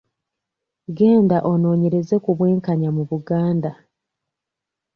Genda onoonyereze ku bwenkanya mu Buganda.